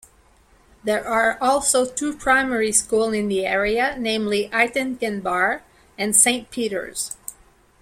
There are also two primary schools in the area, namely Aitkenbar and Saint Peter's.